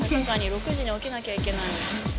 ６時に起きなきゃいけないのに。